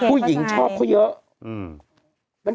ผู้หญิงชอบเขาเยอะ